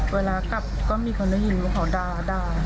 ไปพี่ไหนก็ไปด่า